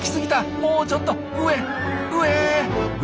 もうちょっと上上！